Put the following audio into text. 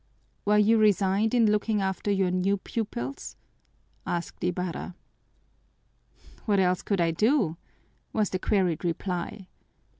"Were you resigned in looking after your new pupils?" asked Ibarra. "What else could I do?" was the queried reply.